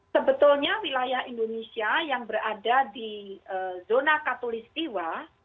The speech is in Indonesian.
sebetulnya wilayah indonesia yang berada di zona katolik siwa